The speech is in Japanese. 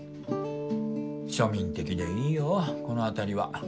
庶民的でいいよこのあたりは。